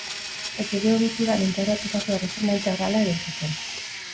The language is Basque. Etxeko egituran integratutako erreforma integrala egin zuten.